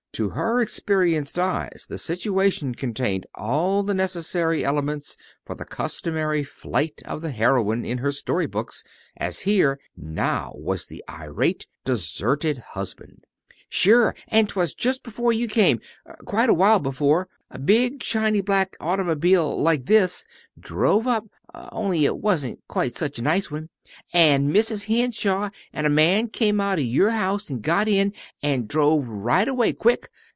To her experienced eyes the situation contained all the necessary elements for the customary flight of the heroine in her story books, as here, now, was the irate, deserted husband. "Sure! And 'twas just before you came quite a while before. A big shiny black automobile like this drove up only it wasn't quite such a nice one an' Mrs. Henshaw an' a man came out of your house an' got in, an' drove right away _quick!